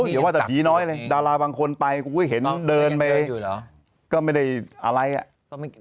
อย่าว่าแต่ผีน้อยเลยดาราบางคนไปเห็นเดินไปก็ไม่ได้อะไรอ่ะ